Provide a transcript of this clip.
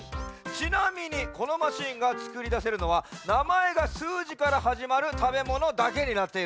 ちなみにこのマシーンがつくりだせるのはなまえがすうじからはじまるたべものだけになっている。